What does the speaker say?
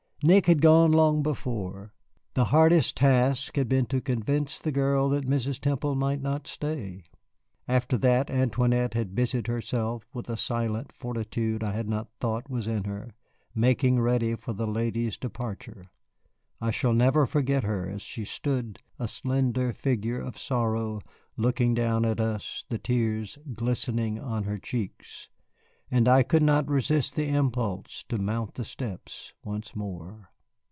Nick had gone long before. The hardest task had been to convince the girl that Mrs. Temple might not stay. After that Antoinette had busied herself, with a silent fortitude I had not thought was in her, making ready for the lady's departure. I shall never forget her as she stood, a slender figure of sorrow, looking down at us, the tears glistening on her cheeks. And I could not resist the impulse to mount the steps once more.